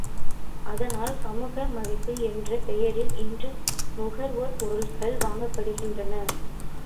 அதனால் சமூக மதிப்பு என்ற பெயரில் இன்று நுகர்வுப் பொருள்கள் வாங்கப்படுகின்றன.